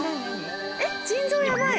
えっ腎臓ヤバい。